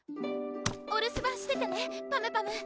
お留守番しててねパムパム！